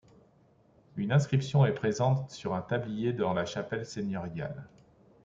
Une inscription est présente sur un tablier dans la chapelle seigneuriale.